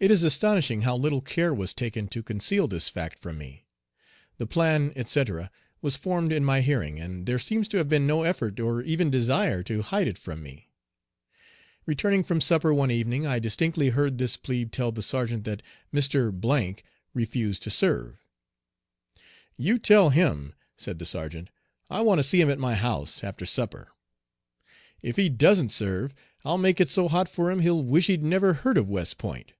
It is astonishing how little care was taken to conceal this fact from me. The plan, etc., was formed in my hearing, and there seems to have been no effort or even desire to hide it from me. Returning from supper one evening, I distinctly heard this plebe tell the sergeant that "Mr. refused to serve." "You tell him," said the sergeant, "I want to see him at my 'house' after supper. If he doesn't serve I'll make it so hot for him he'll wish he'd never heard of West Point."